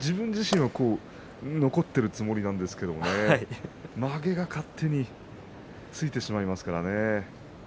自分自身は残っているつもりなんですがまげが勝手についてしまうんですね。